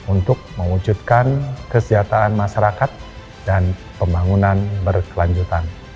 untuk mewujudkan kesejahteraan masyarakat dan pembangunan berkelanjutan